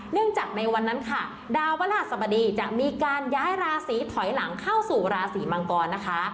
จากในวันนั้นค่ะดาวพระราชสมดีจะมีการย้ายราศีถอยหลังเข้าสู่ราศีมังกรนะคะ